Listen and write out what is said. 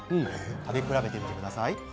食べ比べてみてください。